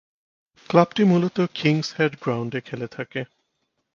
ক্লাবটি মূলত King's head গ্রাউন্ডে খেলে থাকে।